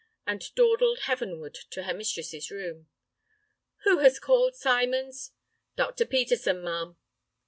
and dawdled heavenward to her mistress's room. "Who has called, Symons?" "Dr. Peterson, ma'am."